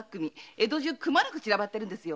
江戸中くまなく散らばってるんですよ。